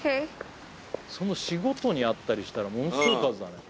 その市ごとにあったりしたらものすごい数だね。